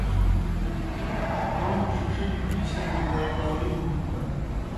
توموْ ݜِݜِجیْ بِچِھر بِدے کاؤری ہُوݨ تھہ۔